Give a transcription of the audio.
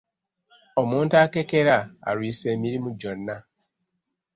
Omuntu akekkera alwisa emirimu gyonna.